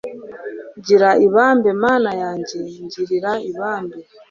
Gira ibambe Mana yanjye ngirira ibambe